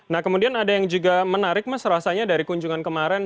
nah kemudian ada yang juga menarik mas rasanya dari kunjungan kemarin